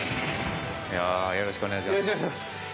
よろしくお願いします。